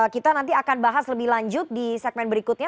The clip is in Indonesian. kita nanti akan bahas lebih lanjut di segmen berikutnya